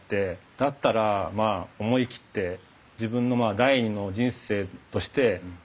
だったらまあ思い切って自分の第２の人生としてチャレンジしたいと。